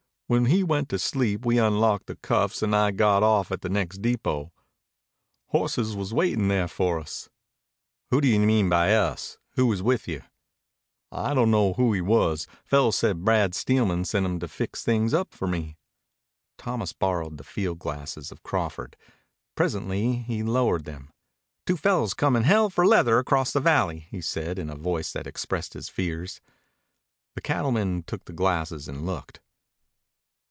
When he went to sleep we unlocked the cuffs and I got off at the next depot. Horses was waitin' there for us." "Who do you mean by us? Who was with you?" "I don' know who he was. Fellow said Brad Steelman sent him to fix things up for me." Thomas borrowed the field glasses of Crawford. Presently he lowered them. "Two fellows comin' hell for leather across the valley," he said in a voice that expressed his fears. The cattleman took the glasses and looked.